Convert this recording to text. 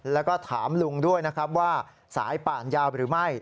แล้วก็ถามลุงด้วยนะครับว่าสายป่านยาวหรือไม่